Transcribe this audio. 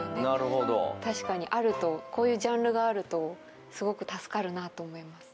なるほど確かにあるとこういうジャンルがあるとすごく助かるなと思います